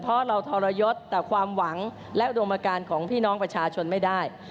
เพราะเราทรยศแต่ความหวังและอุดมการของพี่น้องประชาชนไม่ได้